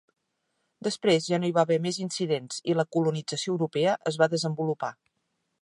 Després ja no hi va haver més incidents i la colonització europea es va desenvolupar.